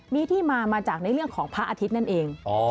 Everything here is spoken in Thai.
มีที่มามาจากในเรื่องของพระอาทิตย์นั่นเอง